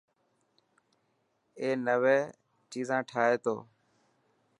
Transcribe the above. اي نوي چيزان ٺاهي تو.